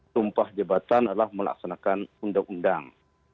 sumpah debatan adalah melaksanakan undang undang